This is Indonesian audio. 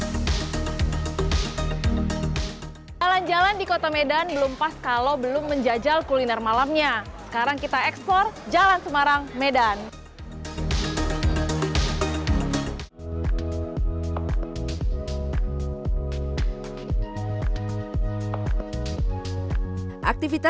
jalan jalan di kota medan belum pas kalau belum menjajal kuliner malamnya